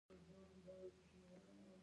بیا وګورو چې د نظریاتو تر منځ توپیرونه شته.